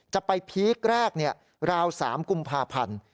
จะไปพีคแรกราว๓กุมภาพันธ์